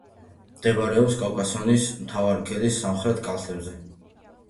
მდებარეობს კავკასიონის მთავარი ქედის სამხრეთ კალთებზე.